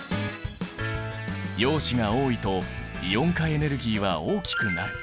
陽子が多いとイオン化エネルギーは大きくなる。